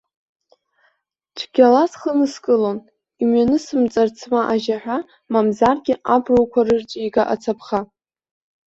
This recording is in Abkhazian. Цәгьала схы ныскылон, имҩанысымҵарц ма ажьаҳәа, мамзаргьы абруқәа рырҵәига ацаԥха.